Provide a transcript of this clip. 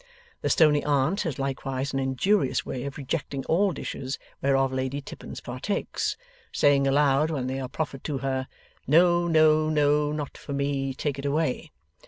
The stoney aunt has likewise an injurious way of rejecting all dishes whereof Lady Tippins partakes: saying aloud when they are proffered to her, 'No, no, no, not for me. Take it away!